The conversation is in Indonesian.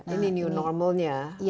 ini new normalnya